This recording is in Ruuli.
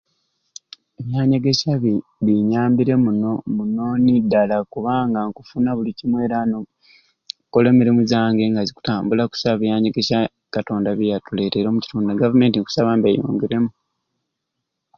Ebyanyegesya bi binyambire muno munoni dala kubanga nkufuna buli kimwe era no nkola emirimo zange nga zikutambula kusai ebyanyegesya katonda byeyatuleeteire omukitundu e Gavumenti nkusaba mbe eyongeremu